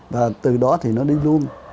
và từ đó thì nó đi luôn